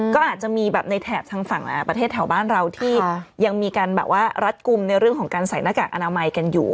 ก็อาจจะมีแบบในแถบทางฝั่งประเทศแถวบ้านเราที่ยังมีการแบบว่ารัดกลุ่มในเรื่องของการใส่หน้ากากอนามัยกันอยู่